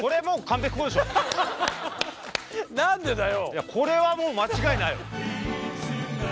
いやこれはもう間違いない。